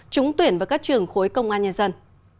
trúng tuyển vào các trường khối công an nhân dân